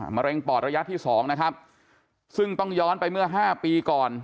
มะเร็งปอดระยะที่๒นะครับซึ่งต้องย้อนไปเมื่อ๕ปีก่อน